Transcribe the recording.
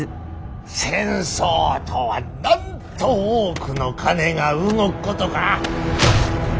戦争とはなんと多くの金が動くことか。